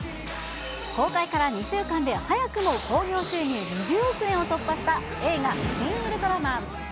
公開から２週間で早くも興行収入２０億円を突破した映画、シン・ウルトラマン。